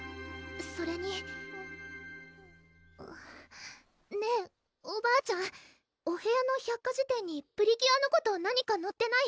それにねぇおばあちゃんお部屋の百科事典にプリキュアのこと何かのってない？